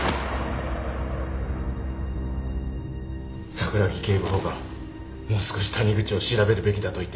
・桜木警部補がもう少し谷口を調べるべきだと言ってたのに